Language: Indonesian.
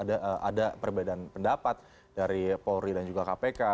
ada perbedaan pendapat dari polri dan juga kpk